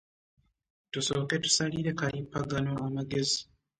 Tusooke tusalire kalippagano amagezi.